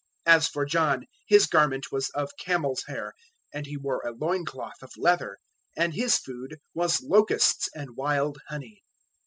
001:006 As for John, his garment was of camel's hair, and he wore a loincloth of leather; and his food was locusts and wild honey.